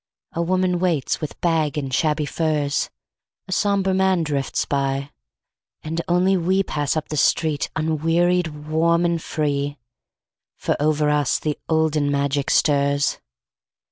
A woman waits with bag and shabby furs, A somber man drifts by, and only we Pass up the street unwearied, warm and free, For over us the olden magic stirs.